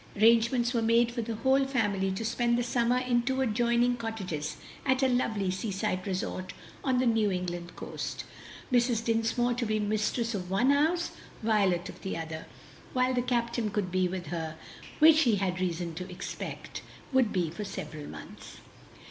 Arrangements were made for the whole family to spend the summer in two adjoining cottages at a lovely seaside resort on the New England coast, Mrs. Dinsmore to be mistress of one house, Violet of the other, while the captain could be with her, which he had reason to expect would be for several months.